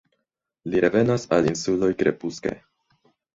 Ili revenas al insuloj krepuske.